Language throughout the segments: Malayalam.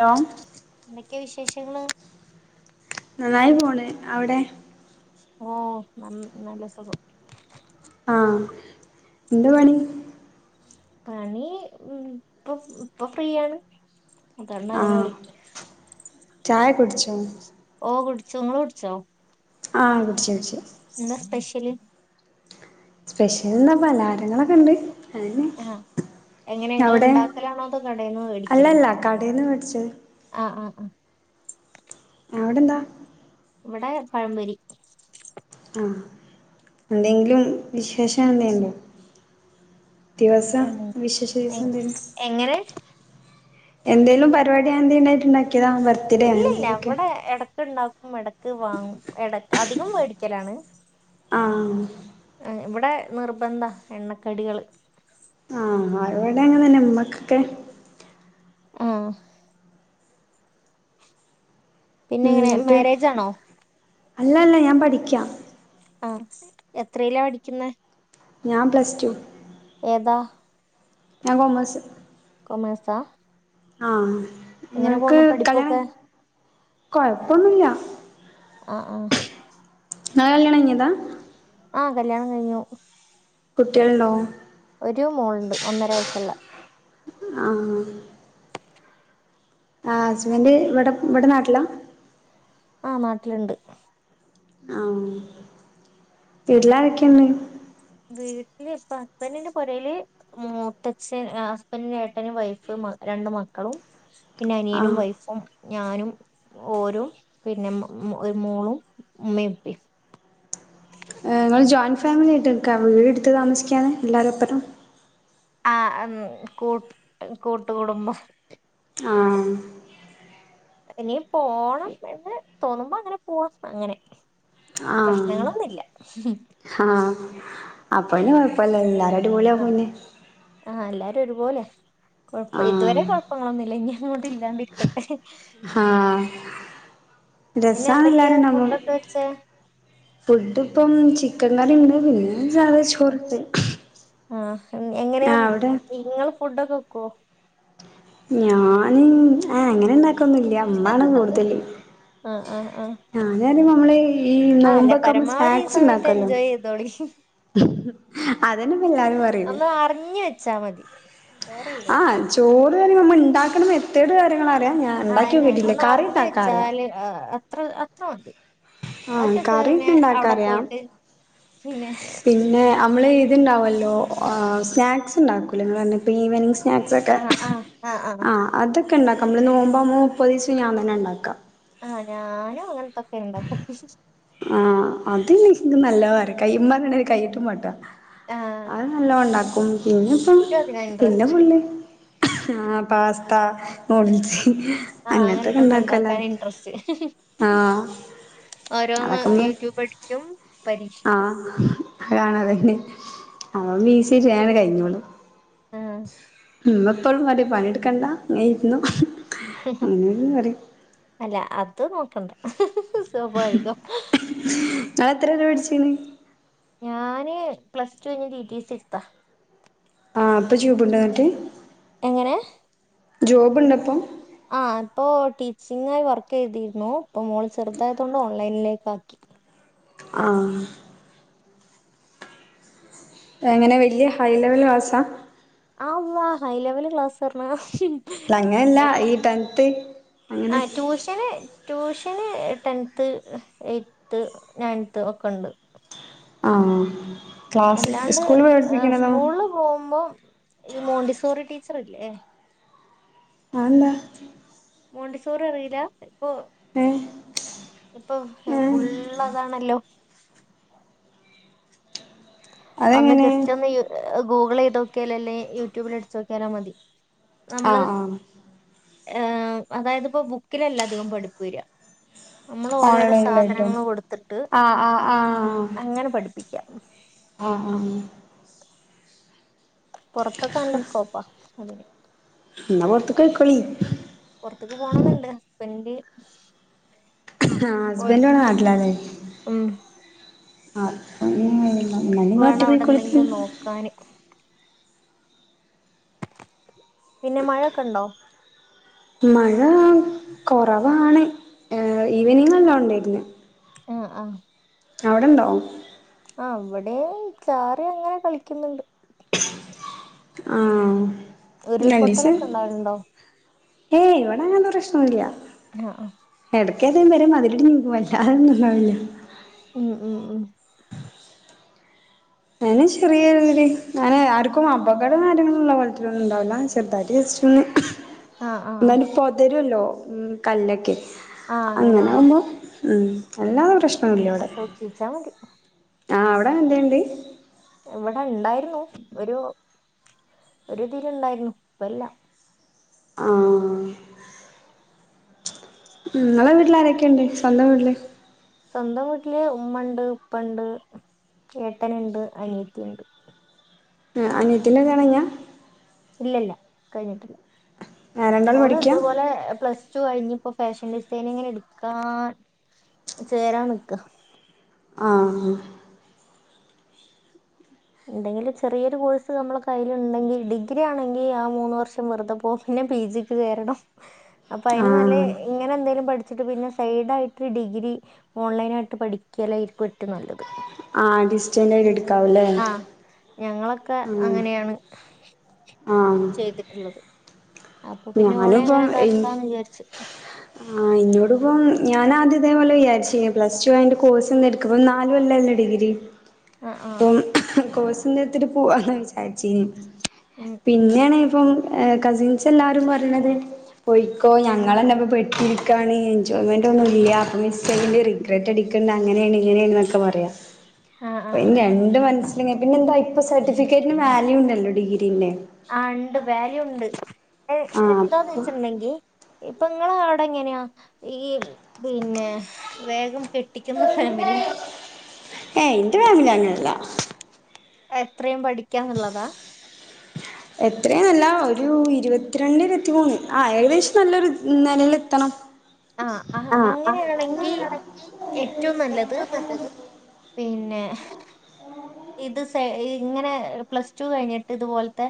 ഹലോ എന്തൊക്കെയാ വിശേഷങ്ങള് നന്നായിപോണ് അവിടെ ഓഹ്‌ നന്ന് നല്ലസുഖം ആഹ്‌ എന്തോ പണി പണി ഉം ഇപ്പോ ഇപ്പോ ഫ്രീയാണ് അതൊണ്ടാങ്ങനെ വിളിക്ക് ചായകുട്ച്ചോ? ഓഹ് കുടിച്ചു ഇങ്ങള്ക്കുടിച്ചോ? ആഹ്‌ കുടിച്ച്ടിച്ച് എന്താ സ്പെഷ്യല്? സ്പെഷ്യലെന്താ പലഹാരങ്ങളൊക്കെണ്ട് അതന്നെ ആഹ് എങ്ങനെ നിങ്ങൾ ഞവടെ ഉണ്ടാക്കലാണോ അതോ കടയിൽന്ന് മേടിക്കലോ അല്ലല്ല കടേന്ന് വേട്ച്ചത് ആഹ് ആഹ് ആഹ് അവടെന്താ? ഇവടെ പഴമ്പൊരി ആഹ് എന്തെങ്കിലും വിശേഷം എന്തേണ്ടോ ദിവസം ഉം വിശേഷ ദിവസം ഉം എന്തേലും എങ്ങനെ എന്തേലും പരിപാടിയാണ്ടായിട്ടുണ്ടാക്കിയതാ ബർത്ത് ഇല്ലല്ല ഇവടെ എടക്ക് ഇണ്ടാക്കും എടക്ക് വാങ്ങും എട അധികം വേടിക്കലാണ് ആഹ് ഏഹ് ഇവടെ നിർബന്ധാ എണ്ണക്കടികള് ആഹ് അവടെ അങ്ങനെ തന്നെ ഉമ്മക്കെക്കെ ആഹ് പിന്നെ ഉം എങ്ങനെ എന്നിട്ട് മാരേജ് ആണോ അല്ല അല്ല ഞാൻ പഠിക്കാ ആഹ് എത്രലാ പഠിക്കുന്നെ ഞാൻ പ്ലസ് റ്റു ഏതാ? ഞാ കോമേസ് കോമേസാ ആഹ് നിങ്ങക്ക് കല്യാണം പഠിപ്പൊക്കെ കൊയപ്പൊന്നുല്ല ആഹ് ആഹ് നിങ്ങടെ കല്യാണം യ്യിഞ്ഞതാ ആഹ് കല്യാണം കഴിഞ്ഞു കുട്ടികളുണ്ടോ? ഒരു മോള്ണ്ട് ഒന്നര വയസ്ള്ള ആഹ് ആഹ് ഹസ്ബൻഡ് ഇവടെ ഇവടെ നാട്ടിലാ ആഹ് നാട്ടില്ണ്ട് ആഹ് വീട്ടില്ലാരാക്കെണ്ട്? വീട്ടില് ഇപ്പോ ഹസ്ബന്റിന്റെ പൊരേല് മൂത്തച്ഛൻ ഹസ്ബന്റിന്റെ ഏട്ടനും വൈഫ് മ രണ്ടു മക്കളും പിന്നെ അനിയനും ആഹ് വൈഫും ഞാനും ഓരും പിന്നെ മോ ഒരു മോളും ഉമ്മേം ഉപ്പേം നിങ്ങള് ജോയിൻ ഫാമിലി ആയിട്ട് നിക്കാ വീട് ഇട്ത്ത് താമസിക്കാതെ എല്ലാവരും ഒപ്പനോം ആഹ് മ്മ് കൂട്ട് കൂട്ടുകുടുംബം ആഹ് ഇനി പോണം എന്ന് തോന്നുമ്പോ അങ്ങനെ പോവാം അങ്ങനെ ആഹ് പ്രശ്നങ്ങളൊന്നില്ല ആഹ് അപ്പോഴന്നെ കൊഴപ്പല്ല എല്ലാരും അടിപൊളിയമ്പോന്നെ ആഹ് എല്ലാരും ഒരുപോലെയാ കൊഴപ്പം ആഹ് ഇതുവരെ കുഴപ്പങ്ങളൊന്നുവില്ല ഇനി അങ്ങോട്ട് ഇല്ലാണ്ടിരീ ക്കട്ടെ ആഹ് പിന്നെ രസാണ് എന്തൊക്കെയാ എല്ലാരും ഉണ്ടാവുമ്പം ഫുഡൊക്കെ വെച്ചെ ഫുഡ് ഇപ്പം ചിക്കൻങ്കറിയുണ്ട് പിന്നെ ഞ്ചള് ചോറിട്ട് ആഹ് അവടെ നിങ്ങള് ഫുഡോക്കെ വെക്കുവോ? ഞാന് ആ അങ്ങനെ ഉണ്ടാക്കൊന്നുല്ല ഇമ്മാണ് കൂടുതല് ആഹ് ആഹ് ആഹ് ഞാനത് നമ്മള് ഈ ആഹ് അല്ല നോമ്പൊക്കെ മ്മള് പരമാവധി ഈ സ്നാക്സ് സമയത്ത് ഉണ്ടാക്കൊല്ലോ എൻജോയ് ചെയ്തോളി ഉം അതന്നെപ്പെ എല്ലാരും പറിണ് വേറെ ആ ചോറ് അറിമ നമ്മള് ഇണ്ടാക്ക്ന്ന മെത്തേഡ് കാര്യങ്ങൾ അറിയാം ഞാൻ ഇണ്ടാക്കി അയെന്നെ നോക്കിട്ടില്ല ഒന്ന് കറി അറിഞ്ഞ് ഇണ്ടക്കാൻ അറ്യ. വെച്ചാല് ആഹ് അത്ര അത്ര മതി ആഹ് ബാക്കിയൊക്കെ കറിക്കെ പിന്നെ അവിടെ ഇണ്ടാക്കാറ്യാ പോയിട്ട് പിന്നെ പിന്നെ ആമ്മള് ഇത്. ഇത്ണ്ടാവുല്ലോ സ്നാക്സ് ഇണ്ടാക്കുലെ ഇന്ന് പറ്ഞ്ഞാ ഈവനിങ്‌ സ്നാക്സ് ഒക്കെ ആഹ് ആഹ് ആഹ് ആഹ് ആ അതൊക്കെ ഇണ്ടാക്കാം. നമ്മള് നോമ്പാവുമ്പോ മുപ്പത് ദിവസും ഞാൻ തന്നെ ഇണ്ടാക്കാ ആഹ് ഞാനും അങ്ങൻത്തൊക്കെ ഇണ്ടകാ ആഹ് അത് [unintelligible] നല്ലോ അറ്യ കയ്മട്ണെ കൈയിട്ടുമാകാ ആഹ് അത് നല്ലോ ഇണ്ടാക്കും പിന്നെപം ഇക്കും അതിനാ പിന്നെ ഇൻട്രസ്റ്റ് ഫുള്ള് ആ പാസ്താ ന്യൂടിൽസ് ആഹ് അങ്ങൻത്തൊക്കെ അങ്ങനത്തൊക്കെ ഇണ്ടാക്ക [unintelligible] ല്ല ഇണ്ടാക്കാൻ ഇൻട്രസ്റ്റ് ആഹ് ഓരോന്ന് അതൊക്കെമ്മ യൂട്യൂബഠ്ച്ചും ആഹ് അഹ് കാണതന്നെ അ മീ സ്യരിയാണ് കഴിഞ്ഞോളൂ ആഹ് ഇമ്മ എപ്പളും പറിം പണിട്ക്കണ്ട ഇങ്ങെയ്ര്ന്നോ അല്ല അത് നോക്കണ്ട സ്വാഭാവികം. ഇഞളെത്രവരെ പട്ച്ചീനി ഞാന് പ്ലസ് ടു കഴിഞ് ടി ടി സിട്ത്താ ആ അപ്പം ജൂബ്ണ്ടൊ ഇന്നട്ട്. എങ്ങനെ ജോബ്ണ്ടൊ ഇപ്പം ആഹ് ഇപ്പൊ ടീച്ചിങ്ങായി വർക്കെയ്തിന്നു. ഇപ്പ മോൾ ചെറുതായതോണ്ട് ഓൺലൈനിൽ ലേക്കാക്കി ആഹ് എങ്ങെനെ വെല്യ ഹൈ ലെവൽ ക്ലാസാ ആള്ളാ ഹൈ ലെവൽ ക്ലാസാർണാ അങ്ങനെല്ല ഈ ടെൻത്ത് അങ്ങനെ ഞാന് ട്യൂഷന് ടെൻത്ത് എയ്റ്റ്ത്ത് നയൻത്ത് ഒക്കെ ഉണ്ട് ആം അല്ലാണ്ട് സ്കൂള്ല് പോകുമ്പം ഈ മോണ്ടിസോറി ടീച്ചറില്ലേ അ എന്താ മോണ്ടിസോറി അറീലാ പ്പൊ ഏ ഇപ്പൊ ഏഹ് ഫുള്ളതാണല്ലോ ഒന്ന് അതെങ്ങനെ ജസ്റ്റ് ഒന്ന് ഗൂഗിൾ എയ്തോ ക്കിയാലെല്ലെ യൂട്യൂബില് അടുച്ചോക്കിയാലും മതി നമ്മള് ആഹ് ആഹ് ഏഹ് അതായത് ഇപ്പോ ബുക്കിലിലെല്ലാതേയും പഠിപ്പു വര നമ്മള് ഓരോരോ ഓൺലൈനിലായിട്ടോ സാധനങ്ങള് കൊടുത്തിട്ട് ആഹ് ആഹ് ആഹ് അങ്ങനെ പഠിപ്പിക്ക്യ. ആഹ് ആഹ് പൊറത്ത് ക്കല്ല സ്കോപ്പാ അതിന്. ഇന്നാ പൊർത്ത്ക്ക് കൊയ്കോളി. പൊറ്ത്ത്ക്ക് പോണെന്ന്ണ്ട്. ഹസ്ബന്ഡ്. ആഹ് ഹസ്ബന്റ് ഇബെടെ നാട്ടിലാല്ലേ. ഉം ആഹ് [unintelligible] [unintelligible] ഇന്നാ ഇങ്ങള് ഒറ്റക്ക് പൊയിക്കോളി. കാന് പിന്നെ മഴൊക്കെണ്ടോ മഴ കൊറവാണ് ഏഹ് ഈവനിങ്ങല്ലോ ണ്ടായിർന്ന്. അഹ് അഹ് അവ്ടെ ഇണ്ടാവും. ആഹ് ഇവടെയ് ചാറി അങ്ങനെ കളിക്കുന്നുണ്ട്. ആഹ് രണ്ടീസെയ് ഉരുൾപൊട്ടലൊക്കെ ഉണ്ടാവലുണ്ടോ ഏയ് ഇവിടെ അങ്ങനത്തെ പ്രശ്നോന്നൂല്ല അഹ് അഹ് എടക്കേതേലും വരും [unintelligible] അതൊന്നും ഇല്ലാവില്ല ഉം ഉം ഉം [unintelligible] ചെറിയരീതി എന്നാല് ആർക്കും അപകടം കാര്യങ്ങളുള്ള പോലത്തെ ഒന്നും ഉണ്ടാവില്ല ചെറുതായി [unintelligible] ആഹ് ആഹ് ആഹ് എന്നാലും പൊതരല്ലോ ഉം കല്ലൊക്കെ ആഹ് അങ്ങനെല്ലേ അങ്ങനാവുമ്പൊ ഉം അല്ലാതെ പ്രശ്നൂല്ല അവടെ ജയ്ച്ചാ മതി ആഹ് അവ്ടെന്തേണ്ട് ഇവടെണ്ടായിരുന്നു ഒരു ഒരു ഇതീലെണ്ടായിരുന്നു ഇപ്പല്ല ആഹ് ഉം ഇങ്ങളെ വീട്ടിലാരൊക്കെണ്ട് സ്വന്തം വീട്ടില് സ്വന്തം വീട്ടില് ഉമ്മണ്ട് ഉപ്പണ്ട് ഏട്ടനിണ്ട് അനിയത്തിയെണ്ട്. ആഹ് അനിയത്തിനെ കണിഞ്ഞ ഇല്ലില്ല കഴിഞ്ഞിട്ടില്ല രണ്ടാളും ഓള് പഠിക്കാ ഇതേപോലെ പ്ലസ് ടു കഴിഞ്ഞ് ഇപ്പൊ ഫാഷൻ ഡിസൈനിങ്ങിനെട്ക്കാൻ ചേരാൻ നിക്ക ആഹ് എന്തെങ്കിലും ചെറിയൊരു കോഴ്സ് നമ്മളെ കയ്യിലെണ്ടെങ്കിൽ ഡിഗ്രി ആണെങ്കി ആ മൂന്ന് വർഷം വെറ്തെ പോവും പിന്നെ പി ജി ക്ക് കേറണം അപ്പ അയ്നും നല്ലെ ആഹ് ഇങ്ങനെന്തേലും പഠിച്ചിട്ട് പിന്നെ സൈഡായിട്ട് ഡിഗ്രി ഓൺലൈനായിട്ട് പഠിക്കലായിരിക്കും ഏറ്റും നല്ലത് ആഹ് അത്‌ ശ ഉം ആഹ് ഞങ്ങളൊക്കെ ആഹ് അങ്ങനെയാണ് ആഹ് ചെയ്ത് ട്ടിള്ളത് അപ്പൊ പിന്നെ ഓളേം ഞാനിപ്പം അങ്ങനിതാക്കാന്ന് വിചാരിച്ച് ആഹ് ഇന്നോട് ഇപ്പം ഞാനാദ്യം ഇതേപോലെ വിചാരിച്ചീന് പ്ലസ് ടു കഴ്ഞ്ഞിട്ട് കോഴ്സെന്തെട് ക്ക്പ്പ നാലൊല്ലല്ലേ ഡിഗ്രി ആ ആ അപ്പം കോഴ്സെന്തേട്ത്തിട്ട് പോവാന്ന് വിചാരിച്ചീനി ഉം ഉം പിന്നേണ് ഇപ്പം ഏഹ് കസിൻസെല്ലാരും പറയ്ണത് പോയ്ക്കോ ഞങ്ങളന്നിപ്പ പെട്ടിരിക്കാണ് എൻജോയ്മെൻ്റൊന്നുംല്ല്യ അപ്പ മിസ്സയ്യെണ്ടി വരും റിഗ്രറ്റടിക്കണ്ട അങ്ങനേണ് ഇങ്ങനേണ്ന്നൊക്കെ പറയ ആ ആ ആ അപ്പിനി രണ്ട് മനസ്സില് ഇങ്ങനെ പിന്നെന്താ ഇപ്പൊ സർട്ടിഫിക്കറ്റിന് വാല്യൂണ്ടല്ലോ ഡിഗ്രീന്റെ ആഹ് ഇണ്ട് വാല്യു ഇണ്ട് എഹ് ആഹ് എത്താന്ന് അപ്പൊ വെച്ച്ണ്ടെങ്കി ഇപ്പങ്ങളാടെങ്ങനെയാ ഈ പിന്നെ വേഗം കെ ട്ടിക്കുന്ന ഫാമിലിയാ ഏയ് ഇന്റെ ഫാമിലി അങ്ങനല്ല എത്രേം പഠിക്കാന്ന്ള്ളതാ എത്രയുംന്നല്ല ഒരു ഇരുപത്തിരണ്ട് ഇരുപത്തിമൂന്ന് ആഹ് ഏകദേശം നല്ലൊരു നെലേലെ ത്തണം ആഹ് ആഹ് അങ്ങനെയാണെങ്കി വ്യക്തികൾക്കാണ് ഏറ്റോം നല്ലത് ഏറ്റവും പിന്നെ ഇത് സയ് ഇങ്ങനെ പ്ലസ് ടു കഴിഞ്ഞിട്ട് ഇതുപോൽത്തെ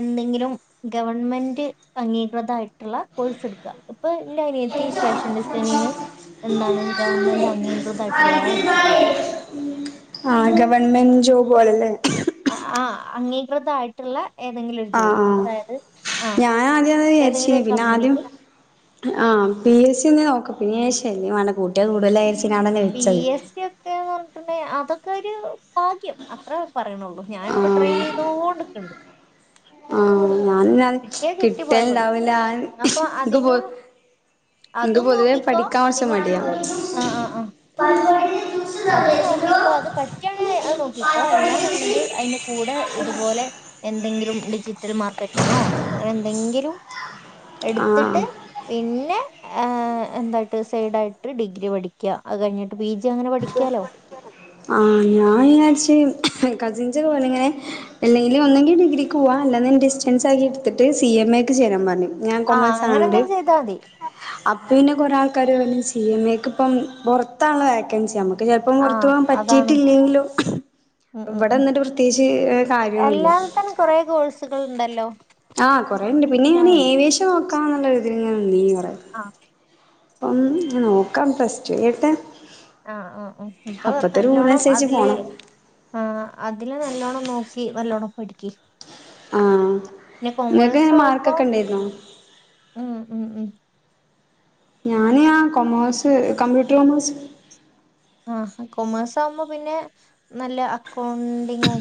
എന്തെങ്കിലും ഗവൺമെന്റ് അംഗീകൃതായിട്ട്ള്ള കോഴ്സെട്ക്ക ഇപ്പൊ ഇന്റനിയത്തി ഫാഷൻ ഡിസൈനിങ് എന്താണ് ഗവൺമെന്റ് അംഗീകൃതായിട്ട്ള്ളതാ ഇട്ത്തിട്ടിള്ളത് നല്ലത് ആഹ് ഗവൺമെന്റ് ജോബ് പോലെല്ലെ ആഹ് ആഹ് അംഗീകൃതാ ആയിട്ടുള്ള ഏതെങ്കിലൊരു ആഹ് ജോലി ആഹ് അതായത് ആഹ് ഞാൻ ആദ്യം അത് വിചാരിച്ചീനി ഏതെങ്കിലൊരു പിന്നെ ആദ്യം കമ്പിനില് ആഹ് പിഎസ്ഇ ഒന്നെ നോക്ക് പിന്നെ ഞാൻ ശല്യമാണ് കൂട്ടിയാ കൂടൂലാ വിചരിച്ച് പി എസ് സി ഒക്കെന്ന് പറഞ്ഞിട്ട് ഉണ്ടെ അതൊക്കൊരു ഭാഗ്യം അത്രേ പറയണൊള്ളൂ ഞാനിപ്പെ ട്രൈ ആഹ് ചെയ്തോണ്ട് നിക്കണ് ആഹ് ന്നാലും ഞാൻ കിട്ടിയാ കിട്ടി പോയ പോയി കിട്ടല്ണ്ടാവൂല അപ്പൊ ഇക്ക് പൊ അതിനും ഇക്ക് അതും പൊതുവേ നോക്കിക്കോ പഠിക്കാൻ കൊറച്ച് അതിന് കൂ മടിയാ അതൊന്ന് നോക്കിക്കൊ അത് പറ്റുവാണെങ്കി അത് നോക്കിക്കൊ അല്ലാന്ന് ഉണ്ടെങ്കി അയിന് കൂടെ ഇത്പോലെ എന്തെങ്കിലും ഡിജി ഒരു മാർങ്ങോ അങ്ങനെ എന്തെങ്കിലും ആഹ് എട്ത്തിട്ട് പിന്നെ എന്തായിട്ട് സൈഡായിട്ട് ഡിഗ്രി പഠിക്ക അത് കഴിഞ്ഞിട്ട് പി ജി അങ്ങനെ പഠിക്കാലോ ആഹ് ഞാൻ വിയാരിച്ച് കസിൻസ് പോലെയിങ്ങനെ എല്ലെങ്കില് ഒന്നെങ്കി ഡിഗ്രിക്ക് പോവാ അല്ലാന്ന്ണ്ടെ ഡിസ്റ്റൻസ് ആക്കി ഇടത്തിട്ട് സി എം എ ക്ക് ചേരാൻ പറഞ്ഞു ഞാൻ ആഹ് കൊമേഴ് അങ്ങനെ ആണെഡി എന്തെങ്കിലും ചെയ്താ മതി അപ്പെ ഇനെ കൊറെ ആൾക്കാര് സിഎംഎ ക്ക്ഇപ്പം പൊറത്താണല്ലൊ വേക്കൻസി അമക്ക് ക്ക് ചെലപ്പം ആഹ് പൊറത്തപ്പോവാൻ അതാണ് പറ്റിട്ടിയില്ലെങ്കിലോ ഉം ഉം ഇവടെ ഉം നിന്നിട്ട് പ്രത്യേയിച്ച് കാര്യയെന്നുമില്ല കൊറെ കോഴ്സ്കൾ ഉണ്ടല്ലോ ആ കൊറേണ്ട് പിന്നെ അന്വേഷിച്ചാ ഞാന് മതി ഏവിയേഷൻ നോക്കാന്നുള്ളൊരു ഇതില് ഇങ്ങനെ നിന്നീനി കൊറെ ആഹ് ആഹ് ഒന്നും നോക്കാം പ്ലസ്ടു ഏട്ടാ ആഹ് ആഹ് ആഹ് ഇപ്പൊ നല്ലോണം റൂളിനനുസരിച്ച് അതിലെ പോണം ആഹ് അതില് നല്ലോണം നോക്കി നല്ലോണം പഠിക്കി ആഹ് പിന്നെ ഇങ്ങക്ക് കോമേഴ്സ് എങ്ങനെ നോക്കുമോ മാർക്കൊക്കെ ഇണ്ടായിരുന്നോ ഉം ഉം ഉം ഞാന് ആ കൊമേഴ്സ് കമ്പ്യൂട്ടർകൊമേഴ്സ് ആഹ് കൊമേഴ്സാവുമ്പം പിന്നെ നല്ല അക്കൗണ്ടിങ്ങും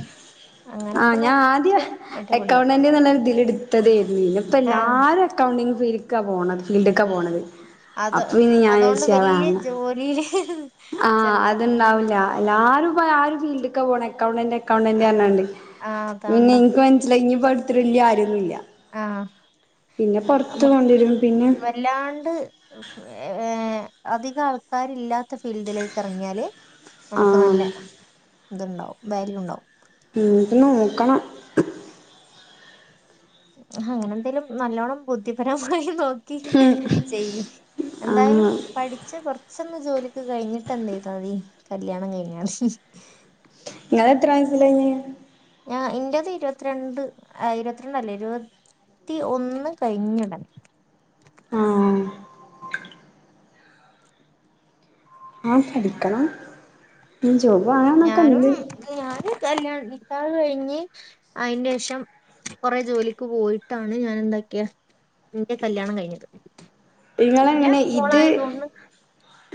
ആ അങ്ങനൊക്കെ ഞാൻ നോക്കിയ ആദ്യം അടിപൊളിയാവും അക്കൗണ്ടന്റ് എന്നുള്ള രീതി എട്ത്തതേ പിന്നെ ഇപ്പെ ആഹ് എല്ലാരും അകൗണ്ടിങ്ങ് ഫീൽക്ക്ക്ക പോണത് ഫീൽഡെക്ക പോകണത് അത് അപ്പൊ പിന്നെ ഞാൻ അതോണ്ട് ഈവിചാരിച്ച് വല്യ ജോലിയില് അഹ് ആഹ് ചെലപ്പം അത് ഇണ്ടാവല്ല എല്ലാരും പറയും ആരും ഫീൽഡെക്ക പോണെ അക്കൗണ്ടന്റ് അക്കൗണ്ടന്റ് ആഹ് ഞ്ഞാണ്ട് ആഹ് പിന്നെ അതോണ്ടാ ഇൻക്ക് മനസ്സിലയി ഇനി പഠിച്ചിട്ട് ഒരു വല്യാ കാര്യവൊന്നുമില്ല ആഹ് പിന്നെ പൊറത്ത് പോണ്ടിവരും പിന്നെ എല്ലാണ്ട് ഏഹ് അധികം ആൾക്കാരില്ലാത്ത ഫീൽഡിലേക്ക് എറങ്ങിയാല് നമുക്ക് നല്ല ആഹ് ഇത് ഉണ്ടാവും വാല്യൂ ഉണ്ടാവും ഉം ഇൻക്കൊന്ന് നോക്കണം അങ്ങനെ എന്തേലും നല്ലോണം ബുദ്ധിപരമായി നോ ക്കി ഉം ചെയ്യ്‌ എന്തായാലും ആഹ് പഠിച്ച് കൊർച്ചൊന്ന് ജോലിക്ക് കഴിഞ്ഞിട്ട് എന്തെയ് ചെയ്താമതി കല്യാണം കഴിഞ്ഞാ ഇങ്ങളെത്ര വയസ്സി കഴിഞ്ഞാ ഞാ ഇന്റെത് ഇരുപത്തിരണ്ട് ഇരുപത്തിരണ്ടല്ല ഇരുപ ത്തി ഒന്ന് കഴിഞ്ഞെടെ ആഹ് ആഹ് ആഹ് പഠിക്കണം ഇൻ ചൊവ്വാ ഞാനും ഞാന് കല്യാണ നിക്കാഹ് കഴിഞ്ഞ് അയിന്റെ ശേഷം കൊറേ ജോലിക്ക് പോയിട്ടാണ് ഞാൻ ഇണ്ടാക്കിയെ നിന്റെ കല്ല്യാണം കഴിഞ്ഞത് പിന്നെ ഇങ്ങളെയെങ്ങനെ ഇത് മോളായതുകൊണ്ട്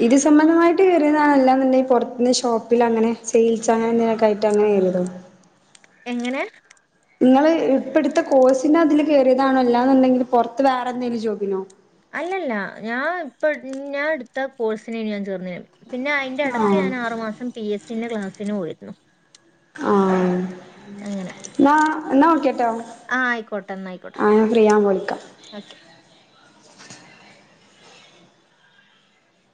ഇത് സംബന്ധമായിട്ട് കേറിയതാണോ അല്ലായിണ്ടെങ്കി പൊറത്ത്നിന്ന് ഷോപ്പിലങ്ങനെ സെയിൽസ് അങ്ങനെന്തെലൊക്കെ ആയി ട്ടങ്ങനെ കേറിയതോ? എങ്ങെനെ? ഇങ്ങെള് ഇപ്പട്ത്തെ കോഴ്സ്ന്റെ അതില് കേറിയതാണോ അല്ലാന്ന്ണ്ടെങ്കില് പൊർത്ത് വേറെന്തേലും ജോബിനോ? അല്ലല്ല ഞാൻ ഇപ്പ ഞാട്ത്ത കോഴ്സിനേനി ഞാൻ ചേർന്നിനിയെ പിന്നെ അയിന്റെ എടക്ക് ആഹ് ഞാനാറുമാസം പി എസ് സി ന്റെ ക്ലാസ്സിന് പോയിരുന്നു ആഹ് അങ്ങനെ ന്നാ ന്നാ ഓകേ ട്ടോ ആ ആയിക്കോട്ടെ എന്നാ ആയിക്കോട്ടെ ആ ഞാൻ ഫ്രീയാവുമ്പോ വിളിക്കാ ഓക്കെ